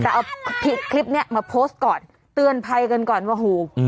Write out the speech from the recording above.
แต่เอาผิดคลิปนี้มาโพสต์ก่อนเตือนภัยกันก่อนว่าหู